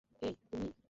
এই, তুমি!